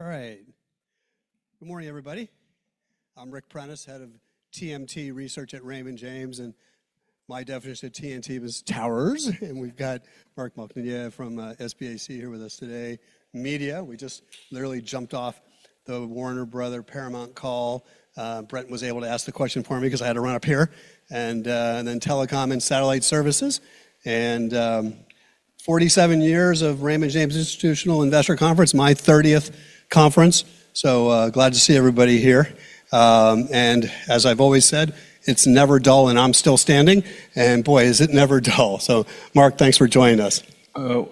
All right. Good morning, everybody. I'm Ric Prentiss, head of TMT Research at Raymond James. My definition of TMT is towers. We've got Marc Montagner from SBAC here with us today. Media, we just literally jumped off the Warner Bros. Paramount call. Brent was able to ask the question for me 'cause I had to run up here. Then telecom and satellite services, 47 years of Raymond James Institutional Investor Conference, my 30th conference. Glad to see everybody here. As I've always said, it's never dull. I'm still standing. Boy, is it never dull. Marc, thanks for joining us.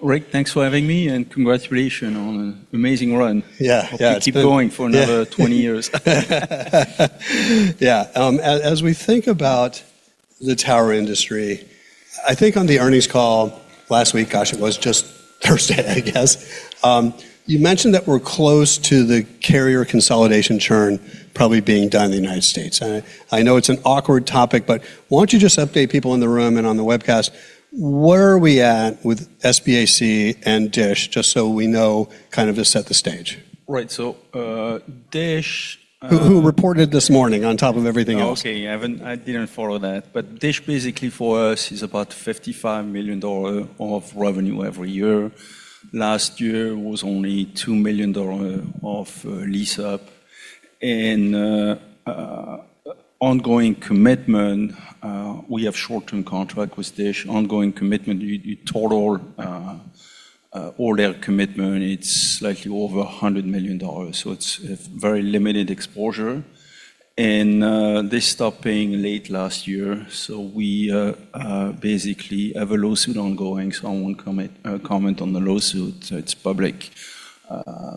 Ric, thanks for having me, and congratulations on an amazing run. Yeah. Yeah. It's been. Hope you keep going for another 20 years. Yeah. As we think about the tower industry, I think on the earnings call last week, gosh, it was just Thursday, I guess, you mentioned that we're close to the carrier consolidation churn probably being done in the United States. I know it's an awkward topic, why don't you just update people in the room and on the webcast, where are we at with SBAC and DISH, just so we know, kind of to set the stage? Right. DISH Who reported this morning on top of everything else. Okay. Yeah. I didn't, I didn't follow that. DISH basically for us is about $55 million of revenue every year. Last year was only $2 million of lease-up. Ongoing commitment, we have short-term contract with DISH. Ongoing commitment, you total all their commitment, it's slightly over $100 million. It's a very limited exposure. They stopped paying late last year, so we basically have a lawsuit ongoing, so I won't comment on the lawsuit. It's public.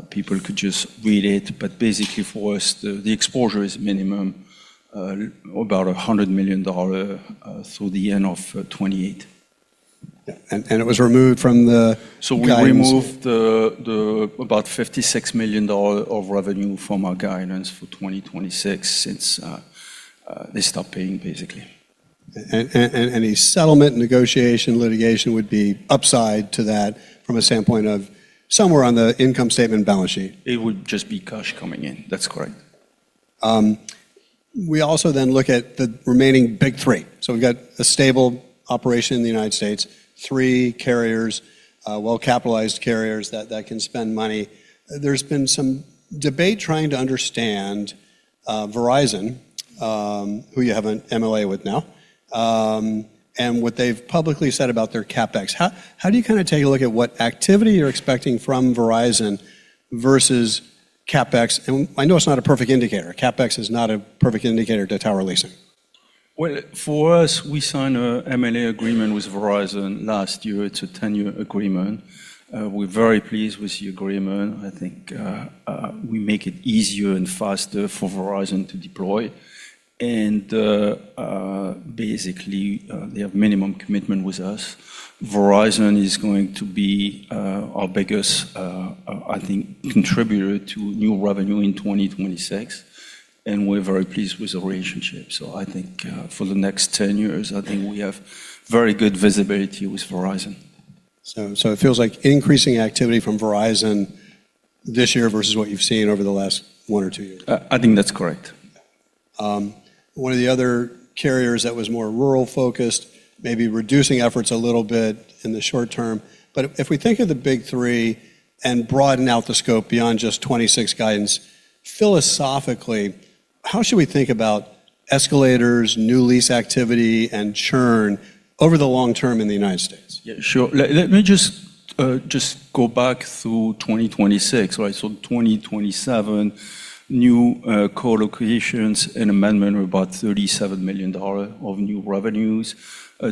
People could just read it. Basically for us, the exposure is minimum, about $100 million through the end of 2028. Yeah. It was removed from the guidance. We removed the about $56 million of revenue from our guidance for 2026 since they stopped paying basically. Any settlement, negotiation, litigation would be upside to that from a standpoint of somewhere on the income statement and balance sheet. It would just be cash coming in. That's correct. We also look at the remaining big three. We've got a stable operation in the U.S., three carriers, well-capitalized carriers that can spend money. There's been some debate trying to understand Verizon, who you have an MLA with now, what they've publicly said about their CapEx. How do you kind of take a look at what activity you're expecting from Verizon versus CapEx? I know it's not a perfect indicator. CapEx is not a perfect indicator to tower leasing. For us, we signed a MLA agreement with Verizon last year. It's a 10-year agreement. We're very pleased with the agreement. I think we make it easier and faster for Verizon to deploy. Basically, they have minimum commitment with us. Verizon is going to be our biggest, I think contributor to new revenue in 2026, and we're very pleased with the relationship. I think for the next 10 years, I think we have very good visibility with Verizon. It feels like increasing activity from Verizon this year versus what you've seen over the last one or two years. I think that's correct. One of the other carriers that was more rural-focused, maybe reducing efforts a little bit in the short term. If we think of the big three and broaden out the scope beyond just 2026 guidance, philosophically, how should we think about escalators, new lease activity, and churn over the long term in the U.S.? Yeah, sure. Let me just go back through 2026, right? 2027, new colocations and amendment were about $37 million of new revenues.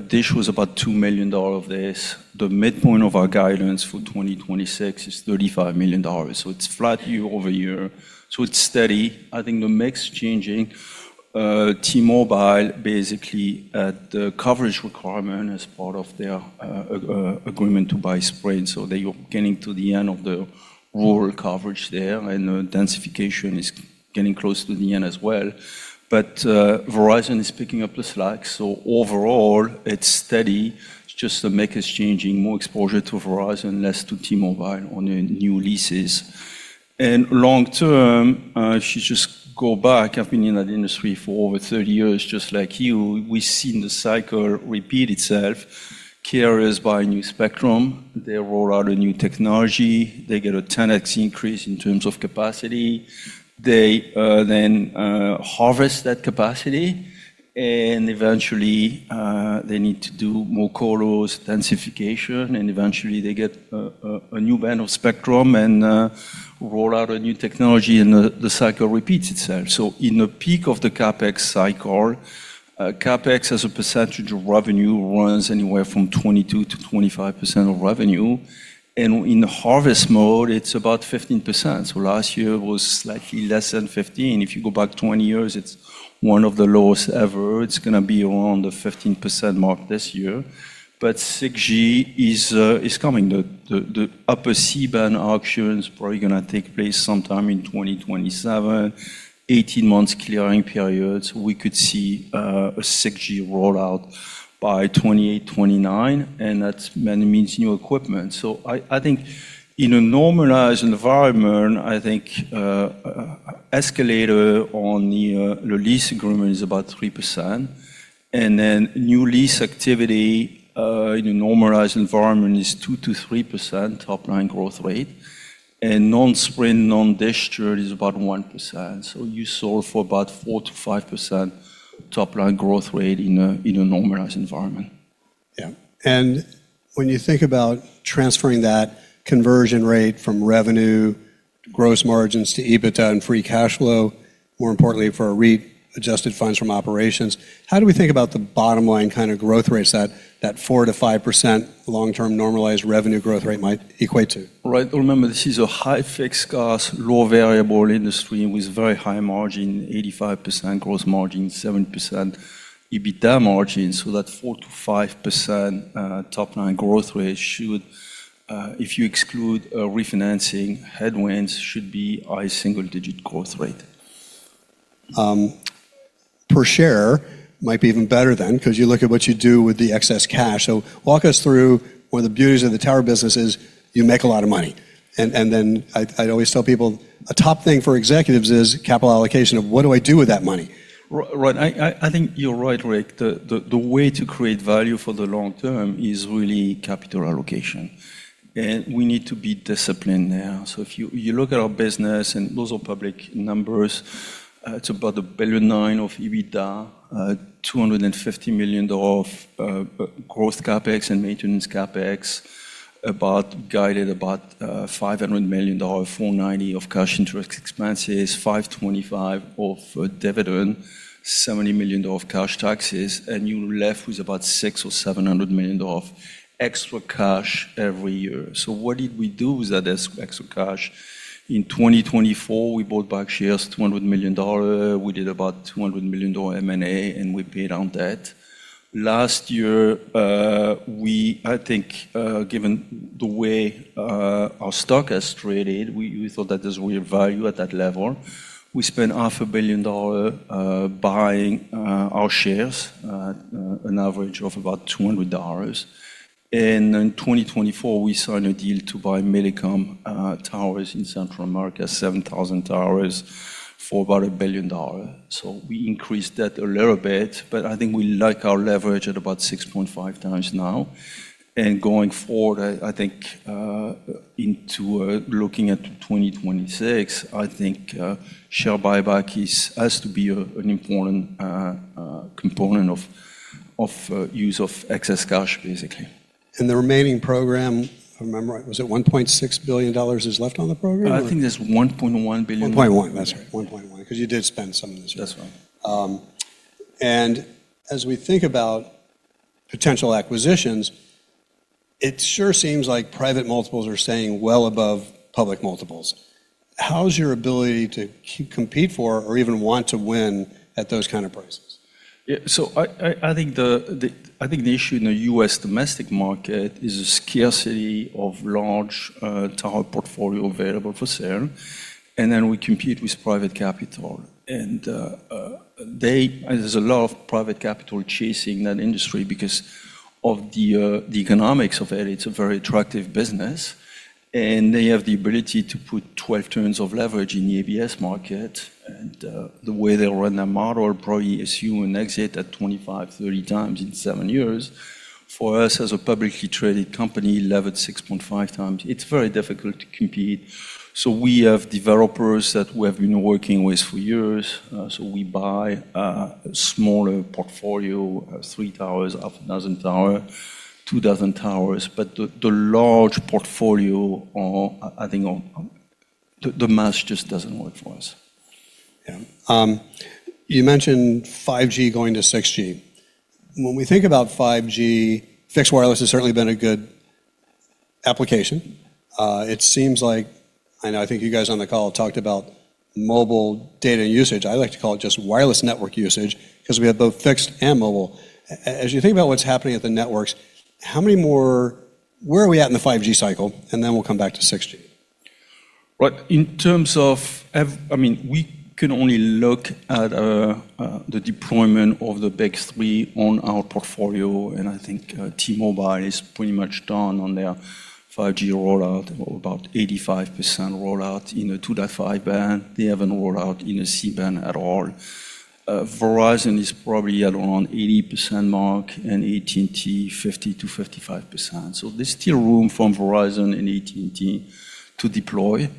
DISH was about $2 million of this. The midpoint of our guidance for 2026 is $35 million. It's flat YoY, so it's steady. I think the mix changing, T-Mobile basically at the coverage requirement as part of their agreement to buy Sprint, so they are getting to the end of the rural coverage there, and densification is getting close to the end as well. Verizon is picking up the slack, so overall it's steady. It's just the mix is changing, more exposure to Verizon, less to T-Mobile on the new leases. Long term, if you just go back, I've been in that industry for over 30 years, just like you. We've seen the cycle repeat itself. Carriers buy new spectrum, they roll out a new technology, they get a 10x increase in terms of capacity. They then harvest that capacity, and eventually, they need to do more co-lo densification, and eventually they get a new band of spectrum and roll out a new technology and the cycle repeats itself. In the peak of the CapEx cycle, CapEx as a percentage of revenue runs anywhere from 22%-25% of revenue. In the harvest mode, it's about 15%. Last year was slightly less than 15. If you go back 20 years, it's one of the lowest ever. It's gonna be around the 15% mark this year. 6G is coming. The upper C-band auction is probably gonna take place sometime in 2027. 18 months clearing period, we could see a 6G rollout by 2028, 2029, and that means new equipment. I think in a normalized environment, I think escalator on the lease agreement is about 3%. New lease activity in a normalized environment is 2%-3% top line growth rate. Non-Sprint, non-DISH trade is about 1%. You solve for about 4%-5% top line growth rate in a normalized environment. Yeah. When you think about transferring that conversion rate from revenue to gross margins to EBITDA and free cash flow, more importantly for a re-adjusted funds from operations, how do we think about the bottom line kind of growth rates that 4%-5% long-term normalized revenue growth rate might equate to? Right. Remember, this is a high fixed cost, low variable industry with very high margin, 85% gross margin, 7% EBITDA margin. That 4%-5%, top line growth rate should, if you exclude refinancing headwinds, should be a single-digit growth rate. Per share might be even better then, 'cause you look at what you do with the excess cash. Walk us through one of the beauties of the tower business is you make a lot of money. And then I'd always tell people a top thing for executives is capital allocation of what do I do with that money? Right. I think you're right, Ric. The way to create value for the long term is really capital allocation. We need to be disciplined there. If you look at our business, and those are public numbers, it's about $1.9 billion of EBITDA, $250 million of growth CapEx and maintenance CapEx, about guided about $500 million, $490 million of cash interest expenses, $525 million of dividend, $70 million of cash taxes, you're left with about $600 million or $700 million of extra cash every year. What did we do with that extra cash? In 2024, we bought back shares $200 million. We did about $200 million M&A, we paid down debt. Last year, we I think, given the way, our stock has traded, we thought that there's real value at that level. We spent half a billion dollar, buying, our shares at, an average of about $200. In 2024, we signed a deal to buy Millicom, towers in Central America, 7,000 towers for about $1 billion. We increased that a little bit, but I think we like our leverage at about 6.5 times now. Going forward, I think, into, looking at 2026, I think, share buyback has to be an important component of use of excess cash, basically. The remaining program, if I remember right, was it $1.6 billion is left on the program? I think there's $1.1 billion. $ 1.1 billion. That's right. $ 1.1 billion, 'cause you did spend some of this, right? That's right. As we think about potential acquisitions, it sure seems like private multiples are staying well above public multiples. How's your ability to compete for or even want to win at those kind of prices? I think the issue in the U.S. domestic market is a scarcity of large tower portfolio available for sale. Then we compete with private capital. There's a lot of private capital chasing that industry because of the economics of it. It's a very attractive business. They have the ability to put 12 turns of leverage in the ABS market. The way they run their model, probably assume an exit at 25, 30 times in seven years. For us, as a publicly traded company, levered 6.5 times, it's very difficult to compete. We have developers that we have been working with for years. We buy a smaller portfolio, three towers, half a thousand tower, 2,000 towers. The large portfolio or I think or the math just doesn't work for us. Yeah. You mentioned 5G going to 6G. When we think about 5G, fixed wireless has certainly been a good application. It seems like, I know I think you guys on the call talked about mobile data usage. I like to call it just wireless network usage 'cause we have both fixed and mobile. As you think about what's happening at the networks, where are we at in the 5G cycle? We'll come back to 6G. Right. I mean, we can only look at the deployment of the big three on our portfolio, and I think T-Mobile is pretty much done on their 5G rollout, or about 85% rollout in a 2.5 GHz band. They haven't rolled out in a C-band at all. Verizon is probably at around 80% mark, and AT&T, 50%-55%. There's still room for Verizon and AT&T to deploy.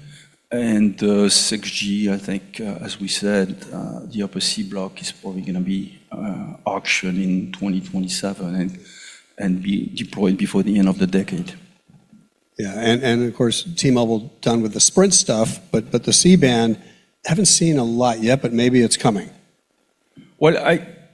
6G, I think, as we said, the Upper C-block is probably going to be auctioned in 2027 and be deployed before the end of the decade. Yeah. Of course, T-Mobile done with the Sprint stuff, but the C-band, haven't seen a lot yet, but maybe it's coming. Well,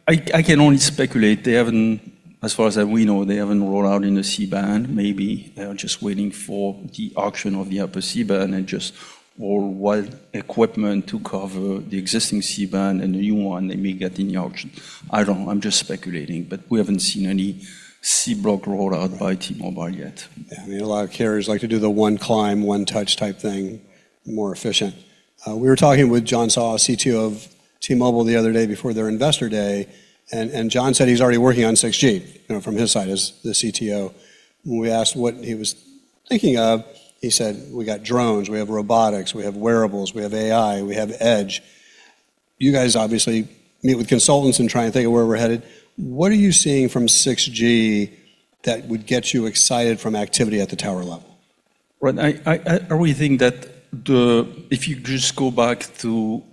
I can only speculate. They haven't, as far as we know, they haven't rolled out in the C-band. Maybe they are just waiting for the auction of the upper C-band and just worldwide equipment to cover the existing C-band and the new one they may get in the auction. I don't know. I'm just speculating, but we haven't seen any C-block rollout by T-Mobile yet. Yeah. I mean, a lot of carriers like to do the one climb, one touch type thing, more efficient. We were talking with John Saw, CTO of T-Mobile the other day before their investor day, John said he's already working on 6G, you know, from his side as the CTO. When we asked what he was thinking of, he said, we got drones, we have robotics, we have wearables, we have AI, we have edge. You guys obviously meet with consultants and try and think of where we're headed. What are you seeing from 6G that would get you excited from activity at the tower level? Right. I really think that the if you just go back to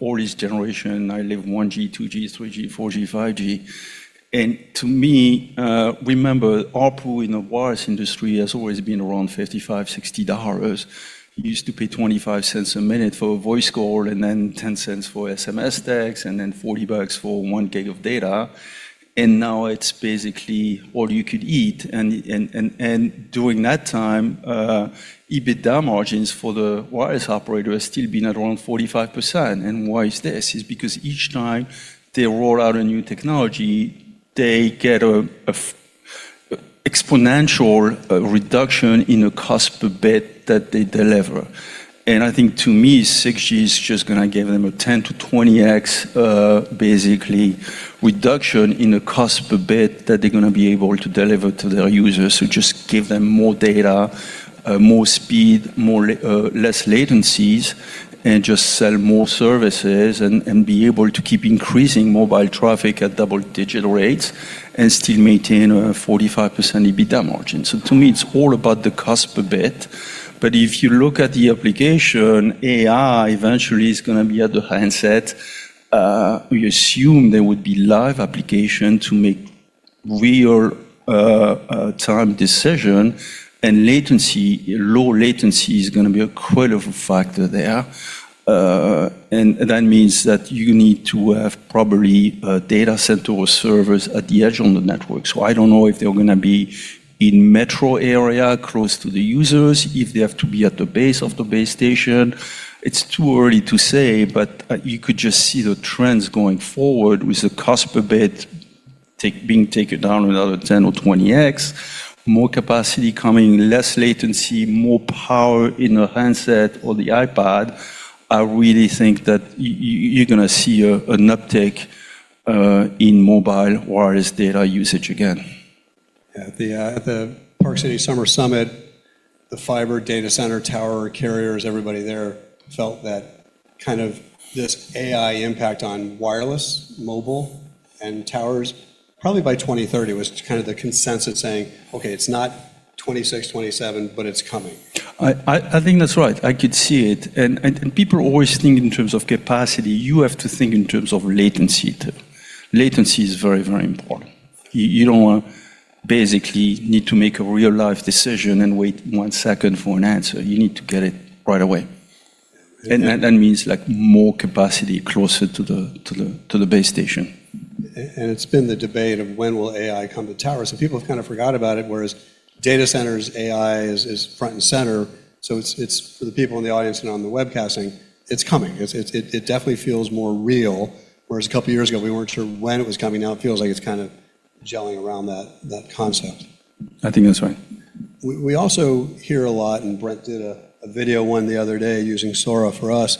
all this generation, I label 1G, 2G, 3G, 4G, 5G. To me, remember, ARPU in the wireless industry has always been around $55-$60. You used to pay $0.25 a minute for a voice call, and then $0.10 for SMS text, and then $40 for 1 gig of data. Now it's basically all you could eat. During that time, EBITDA margins for the wireless operator has still been at around 45%. Why is this? It's because each time they roll out a new technology, they get an exponential reduction in the cost per bit that they deliver. I think to me, 6G is just gonna give them a 10x-20x basically reduction in the cost per bit that they're gonna be able to deliver to their users. Just give them more data, more speed, less latencies, and be able to keep increasing mobile traffic at double-digit rates and still maintain a 45% EBITDA margin. To me, it's all about the cost per bit. If you look at the application, AI eventually is gonna be at the handset. We assume there would be live application to make real time decision and latency, low latency is gonna be a critical factor there. That means that you need to have probably data center or servers at the edge on the network. I don't know if they're gonna be in metro area close to the users, if they have to be at the base of the base station. It's too early to say, but, you could just see the trends going forward with the cost per bit being taken down another 10 or 20x, more capacity coming, less latency, more power in the handset or the iPad. I really think that you're gonna see an uptick in mobile wireless data usage again. Yeah. At the, at the Park City Summer Summit, the fiber data center tower carriers, everybody there felt that kind of this AI impact on wireless, mobile, and towers probably by 2030 was kind of the consensus saying, "Okay, it's not 2026, 2027, but it's coming. I think that's right. I could see it and people always think in terms of capacity. You have to think in terms of latency too. Latency is very, very important. You don't wanna basically need to make a real-life decision and wait one second for an answer. You need to get it right away. That means like more capacity closer to the base station. It's been the debate of when will AI come to towers, and people have kind of forgot about it, whereas data centers, AI is front and center. It's for the people in the audience and on the webcasting, it's coming. It definitely feels more real, whereas a couple years ago we weren't sure when it was coming. Now it feels like it's kind of gelling around that concept. I think that's right. We also hear a lot, and Brent did a video one the other day using Sora for us.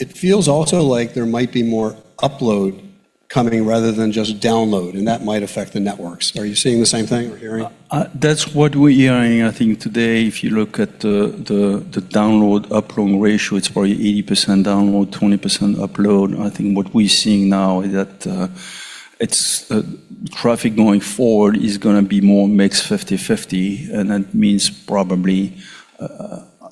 It feels also like there might be more upload coming rather than just download, and that might affect the networks. Are you seeing the same thing or hearing? That's what we're hearing. I think today, if you look at the download-upload ratio, it's probably 80% download, 20% upload. I think what we're seeing now is that traffic going forward is gonna be more mixed 50/50. That means probably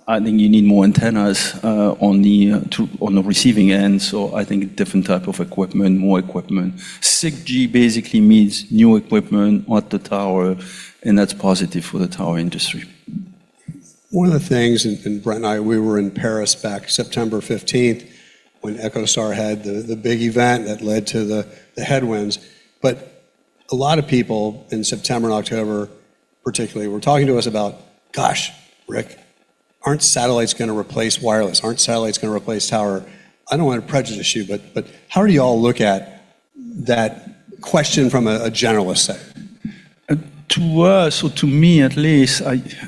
I think you need more antennas on the to, on the receiving end. I think different type of equipment, more equipment. 6G basically means new equipment at the tower. That's positive for the tower industry. One of the things, and Brent and I, we were in Paris back September 15th when EchoStar had the big event that led to the headwinds. A lot of people in September and October particularly were talking to us about, "Gosh, Ric, aren't satellites gonna replace wireless? Aren't satellites gonna replace tower?" I don't wanna prejudice you, but how do y'all look at that question from a generalist side? To us, or to me at least,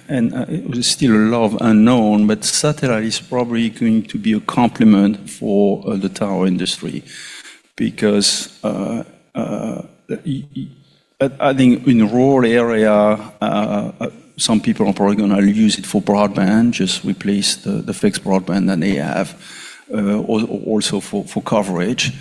and there's still a lot of unknown, but satellite is probably going to be a complement for the tower industry because I think in the rural area, some people are probably gonna use it for broadband, just replace the fixed broadband that they have, also for coverage.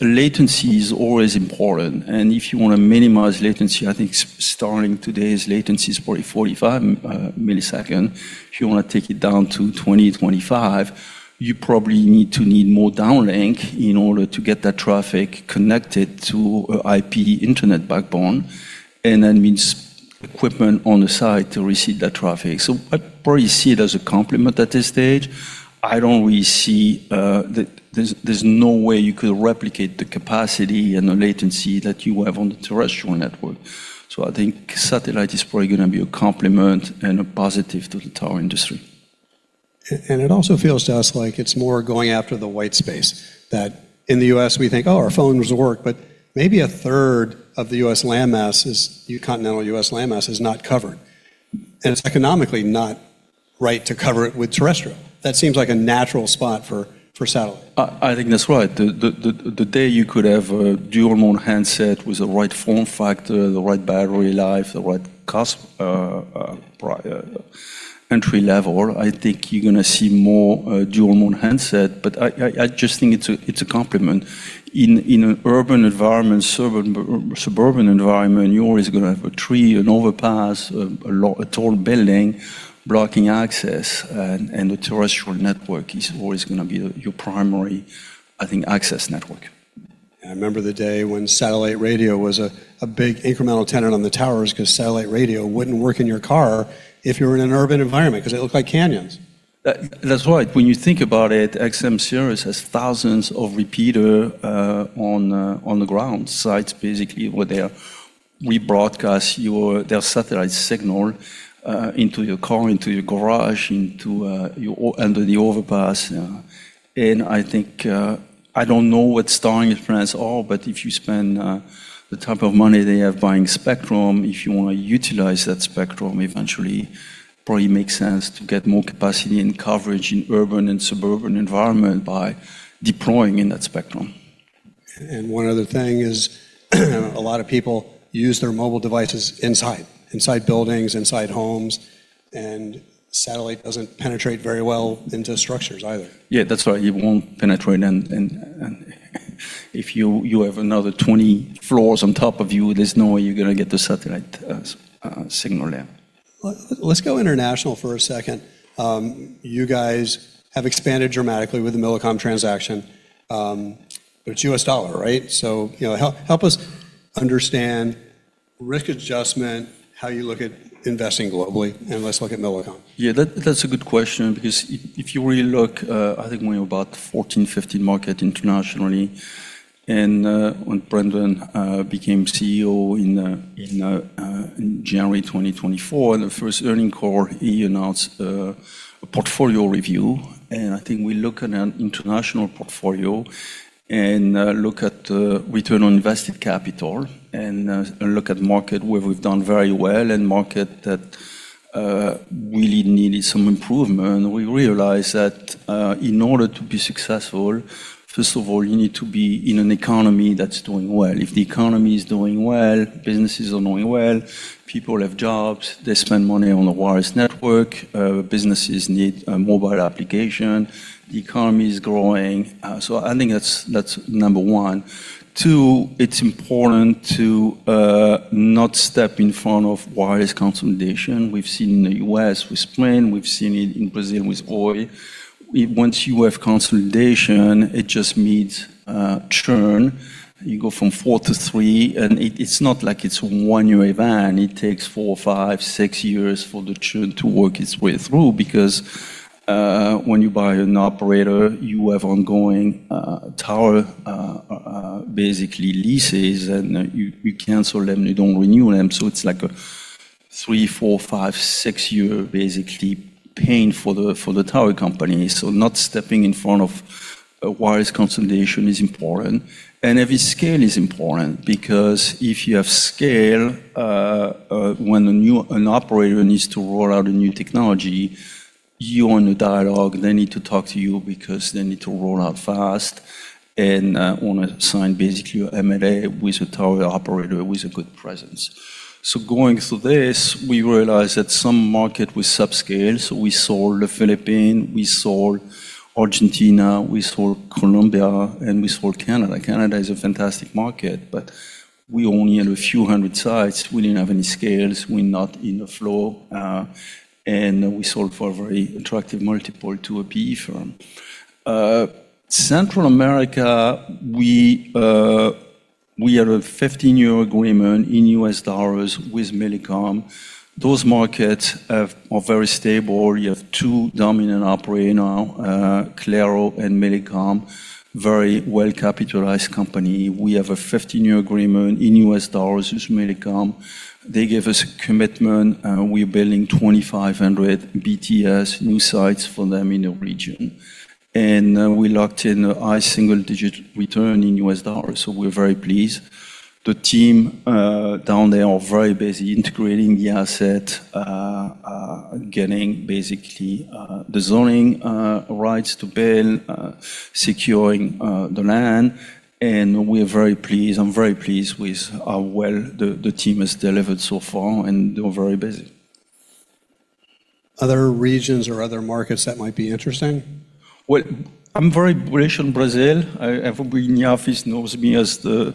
Latency is always important, and if you wanna minimize latency, I think Starlink today's latency is probably 45 ms. If you wanna take it down to 20, 25, you probably need to need more downlink in order to get that traffic connected to IP internet backbone, and that means equipment on the site to receive that traffic. I probably see it as a complement at this stage. I don't really see, there's no way you could replicate the capacity and the latency that you have on the terrestrial network. I think satellite is probably gonna be a complement and a positive to the tower industry. It also feels to us like it's more going after the white space, that in the U.S. we think, "Oh, our phones work," but maybe a third of the U.S. landmass, continental U.S. landmass, is not covered, and it's economically not right to cover it with terrestrial. That seems like a natural spot for satellite. I think that's right. The day you could have a dual-mode handset with the right form factor, the right battery life, the right cost, entry level, I think you're gonna see more dual-mode handset. I just think it's a complement. In an urban environment, suburban environment, you're always gonna have a tree, an overpass, a tall building blocking access. The terrestrial network is always gonna be your primary, I think, access network. I remember the day when satellite radio was a big incremental tenant on the towers 'cause satellite radio wouldn't work in your car if you were in an urban environment 'cause they look like canyons. That's right. When you think about it, SiriusXM has thousands of repeater on the ground. Sites basically where they rebroadcast their satellite signal into your car, into your garage, into your under the overpass. I think I don't know what Starlink's plans are, but if you spend the type of money they have buying spectrum, if you wanna utilize that spectrum eventually, probably makes sense to get more capacity and coverage in urban and suburban environment by deploying in that spectrum. One other thing is a lot of people use their mobile devices inside. Inside buildings, inside homes, and satellite doesn't penetrate very well into structures either. Yeah, that's right. It won't penetrate and if you have another 20 floors on top of you, there's no way you're gonna get the satellite signal there. Let's go international for a second. You guys have expanded dramatically with the Millicom transaction, but it's U.S. dollar, right? You know, help us understand risk adjustment, how you look at investing globally, and let's look at Millicom. Yeah, that's a good question because if you really look, I think we have about 14, 15 market internationally. When Brendan became CEO in January 2024, in the first earnings call, he announced a portfolio review. I think we look at an international portfolio and look at return on invested capital and look at market where we've done very well and market that really needed some improvement. We realized that in order to be successful, first of all, you need to be in an economy that's doing well. If the economy is doing well, businesses are doing well, people have jobs, they spend money on the wireless network, businesses need a mobile application, the economy is growing. I think that's number one. Two, it's important not step in front of wireless consolidation. We've seen in the U.S. with Sprint, we've seen it in Brazil with Oi. Once you have consolidation, it just means churn. You go from four to three, and it's not like it's a one-year event. It takes four, five, six years for the churn to work its way through because when you buy an operator, you have ongoing tower basically leases, and you cancel them, you don't renew them. It's like a three, four, five, six year basically paying for the tower company. Not stepping in front of a wireless consolidation is important. Every scale is important because if you have scale, when an operator needs to roll out a new technology, you're on the dialogue. They need to talk to you because they need to roll out fast and wanna sign basically MLA with a tower operator with a good presence. Going through this, we realized that some market with subscale. We sold the Philippines, we sold Argentina, we sold Colombia, and we sold Canada. Canada is a fantastic market, but we only had a few hundred sites. We didn't have any scales. We're not in the flow, and we sold for a very attractive multiple to a PE firm. Central America, we had a 15-year agreement in U.S. dollars with Millicom. Those markets are very stable. You have two dominant operator now, Claro and Millicom. Very well-capitalized company. We have a 15-year agreement in U.S. dollars with Millicom. They gave us a commitment, and we're building 2,500 BTS new sites for them in the region. We locked in a high single-digit return in U.S. dollars, so we're very pleased. The team down there are very busy integrating the asset, getting basically the zoning rights to build, securing the land, and we're very pleased. I'm very pleased with how well the team has delivered so far, and they're very busy. Other regions or other markets that might be interesting? Well, I'm very bullish on Brazil. Everybody in the office knows me as the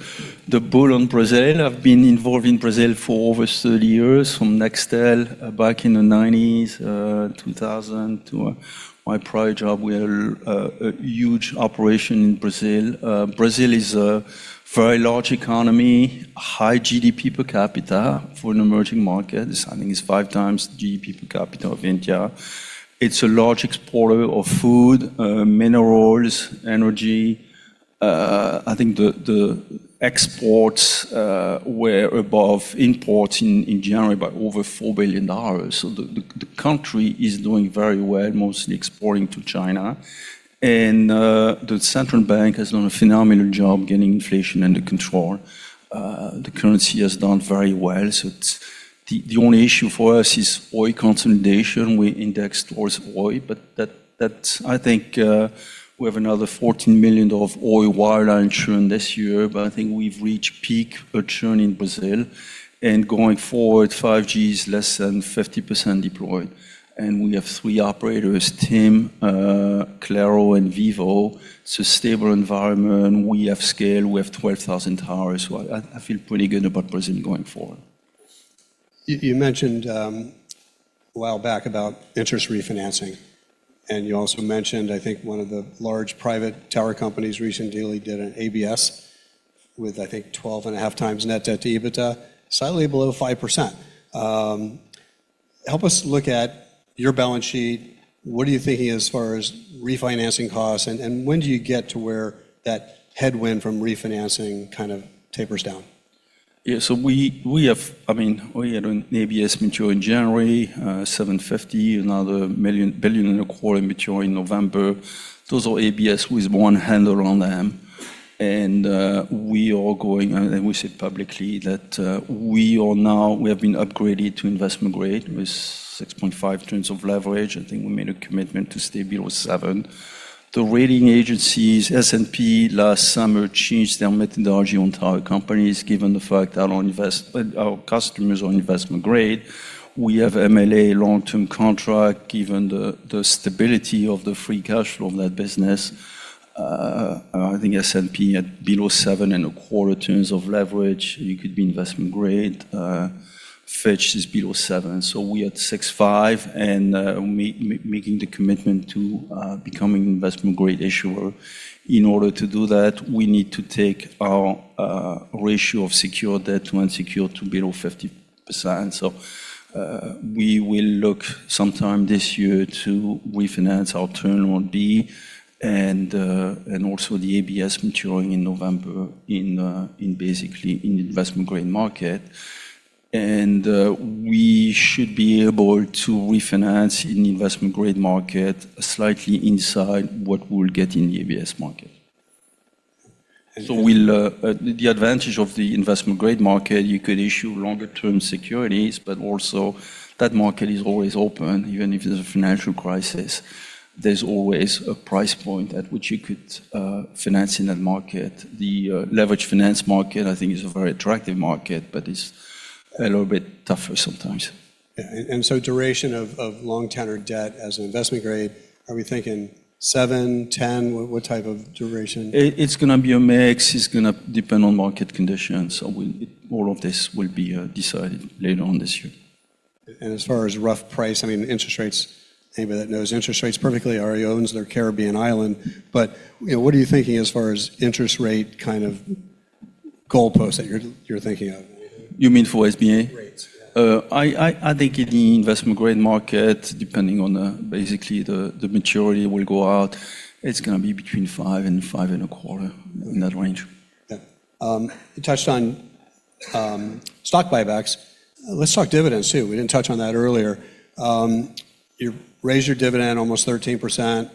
bull on Brazil. I've been involved in Brazil for over 30 years, from Nextel back in the nineties, 2000 to my prior job. We had a huge operation in Brazil. Brazil is a very large economy, high GDP per capita for an emerging market. I think it's five times GDP per capita of India. It's a large exporter of food, minerals, energy. I think the exports were above imports in January by over $4 billion. The country is doing very well, mostly exporting to China. The Central Bank has done a phenomenal job getting inflation under control. The currency has done very well. The only issue for us is Oi consolidation. We indexed towards Oi, but that's I think we have another $14 million of Oi wireline churn this year, but I think we've reached peak churn in Brazil. Going forward, 5G is less than 50% deployed, and we have three operators, TIM, Claro, and Vivo. It's a stable environment. We have scale. We have 12,000 towers. I feel pretty good about Brazil going forward. You mentioned, a while back about interest refinancing, and you also mentioned, I think, one of the large private tower companies recently did an ABS with, I think, 12.5x net debt to EBITDA, slightly below 5%. Help us look at your balance sheet. What are you thinking as far as refinancing costs, and when do you get to where that headwind from refinancing kind of tapers down? I mean, we had an ABS mature in January, $750 million. Another $1.25 billion mature in November. Those are ABS with one handle on them. We are going, and we said publicly that we have been upgraded to investment grade with 6.5 terms of leverage. I think we made a commitment to stay below seven. The rating agencies, S&P, last summer changed their methodology on tower companies, given the fact that our customers are investment grade. We have MLA long-term contract, given the stability of the free cash flow of that business. I think S&P at below 7.25 terms of leverage, you could be investment grade. Fitch is below seven. We're at 6.5 and making the commitment to becoming investment grade issuer. In order to do that, we need to take our ratio of secured debt to unsecured to below 50%. We will look sometime this year to refinance our Term Loan B and also the ABS maturing in November in basically in investment grade market. We should be able to refinance in investment grade market slightly inside what we'll get in the ABS market. The advantage of the investment grade market, you could issue longer term securities. That market is always open. Even if there's a financial crisis, there's always a price point at which you could finance in that market. The leverage finance market I think is a very attractive market. It's a little bit tougher sometimes. Yeah. Duration of long-term debt as an investment grade, are we thinking seven, 10? What type of duration? It's gonna be a mix. It's gonna depend on market conditions. All of this will be decided later on this year. As far as rough price, I mean, interest rates, anybody that knows interest rates perfectly already owns their Caribbean island. You know, what are you thinking as far as interest rate kind of goalpost that you're thinking of? You mean for SBA? Rates, yeah. I think in the investment grade market, depending on basically the maturity will go out, it's gonna be between 5% and 5.25%, in that range. Yeah. you touched on stock buybacks. Let's talk dividends too. We didn't touch on that earlier. you raised your dividend almost 13%.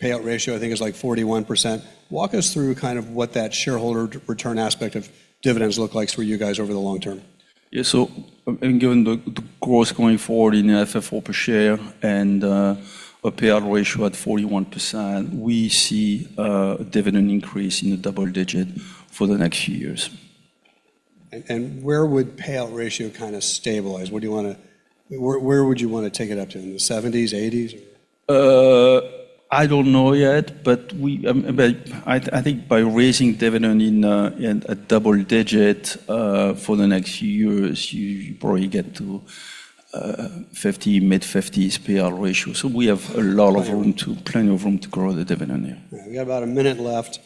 Payout ratio I think is like 41%. Walk us through kind of what that shareholder return aspect of dividends look like for you guys over the long term. Yeah. Given the growth going forward in the FFO per share and a payout ratio at 41%, we see a dividend increase in the double digit for the next few years. Where would payout ratio kinda stabilize? Where would you wanna take it up to? In the seventies, eighties? I don't know yet. I think by raising dividend in a double-digit for the next few years, you probably get to 50, mid-50s payout ratio. We have a lot of room. Plenty of room. Plenty of room to grow the dividend, yeah. We got about a minute left.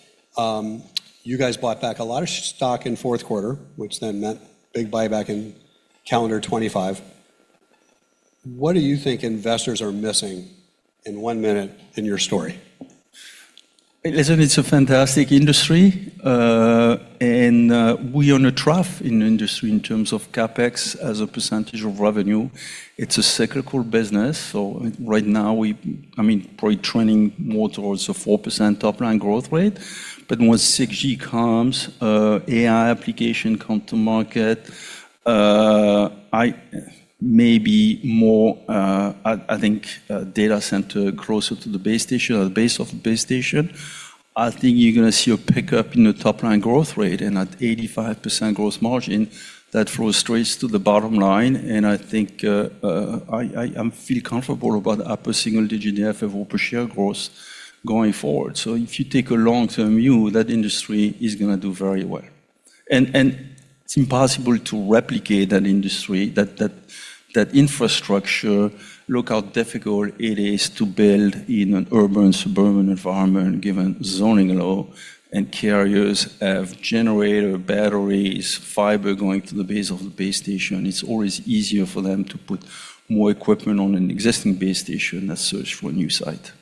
You guys bought back a lot of stock in fourth quarter, which then meant big buyback in calendar 2025. What do you think investors are missing, in one minute, in your story? Listen, it's a fantastic industry, and we are in a trough in the industry in terms of CapEx as a percentage of revenue. It's a cyclical business, I mean, probably trending more towards a 4% top line growth rate. Once 6G comes, AI application come to market, maybe more, I think data center closer to the base station or the base of the base station. I think you're gonna see a pickup in the top line growth rate, and at 85% gross margin, that flows straight to the bottom line, and I think I feel comfortable about upper single digit FFO per share growth going forward. If you take a long-term view, that industry is gonna do very well. It's impossible to replicate that industry, that infrastructure. Look how difficult it is to build in an urban, suburban environment given zoning law. Carriers have generator, batteries, fiber going to the base of the base station. It's always easier for them to put more equipment on an existing base station than search for a new site.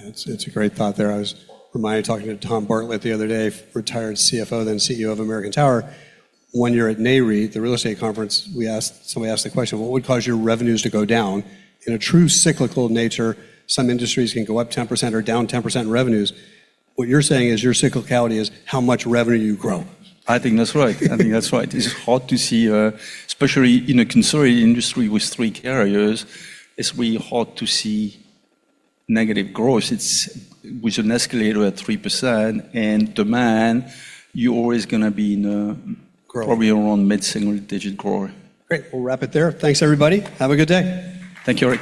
It's a great thought there. I was reminded talking to Tom Bartlett the other day, retired CFO, then CEO of American Tower. One year at NAREIT, the real estate conference, somebody asked the question, "What would cause your revenues to go down?" In a true cyclical nature, some industries can go up 10% or down 10% in revenues. What you're saying is your cyclicality is how much revenue you grow. I think that's right. I think that's right. It's hard to see, especially in a consortium industry with three carriers, it's really hard to see negative growth. It's with an escalator at 3% and demand, you're always gonna be in, Growth... probably around mid-single digit growth. Great. We'll wrap it there. Thanks, everybody. Have a good day. Thank you, Ric.